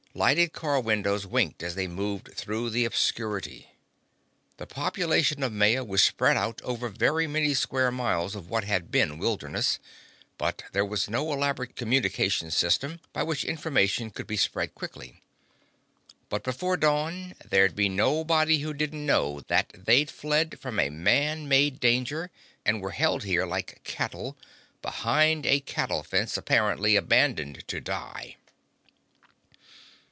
Lighted car windows winked as they moved through the obscurity. The population of Maya was spread out over very many square miles of what had been wilderness, and there was no elaborate communication system by which information could be spread quickly. But long before dawn there'd be nobody who didn't know that they'd fled from a man made danger and were held here like cattle, behind a cattle fence, apparently abandoned to die.